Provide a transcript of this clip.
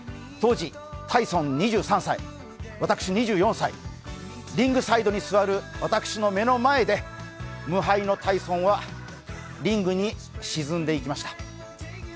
当時、タイソン２３歳、私、２４歳、リングサイドに座る私の目の前で無敗のタイソンはリングに沈んでいきました。